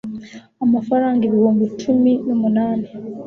amafaranga ibihumbi cumi n' umunani